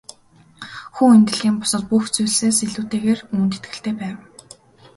Хүү энэ дэлхийн бусад бүх зүйлсээс илүүтэйгээр үүнд итгэлтэй байв.